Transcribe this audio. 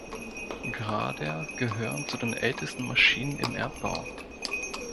Grader gehören zu den ältesten Maschinen im Erdbau.